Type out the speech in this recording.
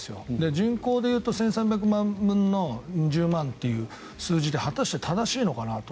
人口でいうと１３００万人分の２０万人というと果たして正しいのかなと。